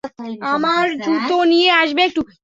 আমার জুতো নিয়ে আসবে একটু?